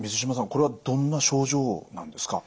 これはどんな症状なんですか？